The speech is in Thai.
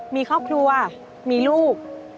มีครอบครัวมีลูก